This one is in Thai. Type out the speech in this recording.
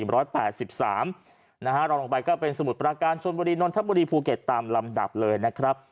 รองลงไปก็เป็นสมุทรปราการชนบุรีนนทบุรีภูเก็ตตามลำดับเลยนะครับ